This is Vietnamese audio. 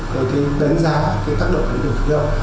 đánh giá cái tác động của nông thôn khí hậu